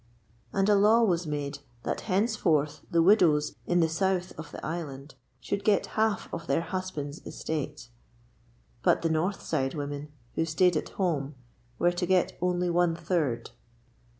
And a law was made that henceforth the widows in the south of the island should get half of their husband's estate; but the north side women, who stayed at home, were to get only one third.